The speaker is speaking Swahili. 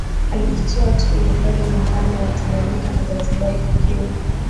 Alijitoa tu ilimradi Muungano wa Tanganyika na Zanzibar ufikiwe